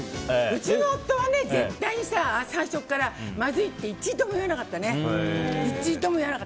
うちの夫は絶対にさ最初から、まずいって一度も言わなかったね。